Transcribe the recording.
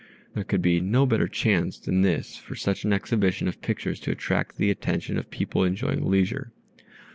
There could be no better chance than this for such an exhibition of pictures to attract the attention of people enjoying leisure.